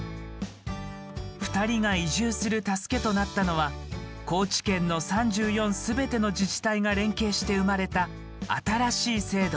２人が移住する助けとなったのは高知県の３４すべての自治体が連携して生まれた新しい制度。